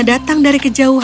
handa menyiapkan peach